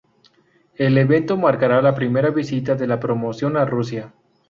El evento marcará la primera visita de la promoción a Rusia.